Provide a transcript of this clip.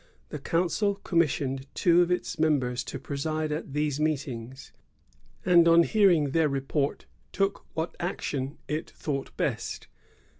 The council commissioned two of its members to preside at these meetings, and on hearing their report took what action it thought best.